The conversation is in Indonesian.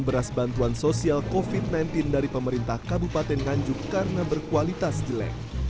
beras bantuan sosial kofit sembilan belas dari pemerintah kabupaten nganjuk karena berkualitas jelek